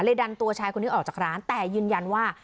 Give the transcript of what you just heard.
ดันตัวชายคนนี้ออกจากร้านแต่ยืนยันว่า